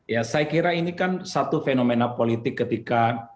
ya saya kira ini kan satu fenomena politik ketika